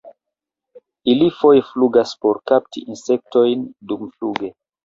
Ili foje flugas por kapti insektojn dumfluge.